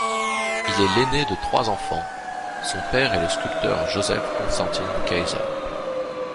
Il est l'aîné de trois enfants, son père est le sculpteur Joseph Constantin Kaiser.